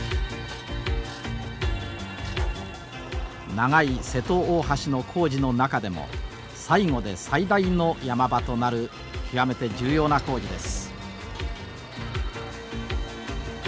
長い瀬戸大橋の工事の中でも最後で最大の山場となる極めて重要な工事です。